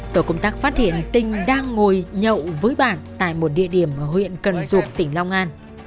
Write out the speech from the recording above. tổ công tác phát hiện tinh đang ngồi nhậu với bạn tại một địa điểm ở huyện cần duộc tỉnh long an